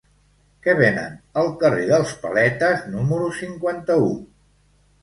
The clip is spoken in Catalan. Què venen al carrer dels Paletes número cinquanta-u?